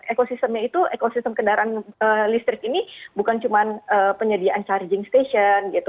ekosistemnya itu ekosistem kendaraan listrik ini bukan cuma penyediaan charging station gitu